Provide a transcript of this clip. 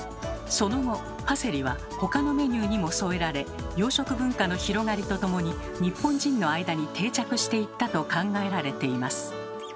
その後パセリは他のメニューにも添えられ洋食文化の広がりとともに日本人の間に定着していったと考えられています。